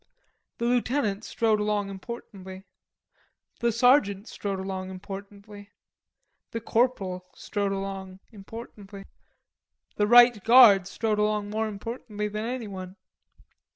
The lieutenant strode along importantly. The sergeant strode along importantly. The corporal strode along importantly. The right guard strode along more importantly than anyone.